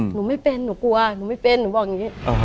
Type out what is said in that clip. หนูไม่เป็นหนูกลัวหนูไม่เป็นหนูบอกอย่างนี้